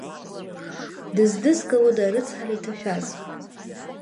Дыздызкылода арыцҳара иҭашәаз?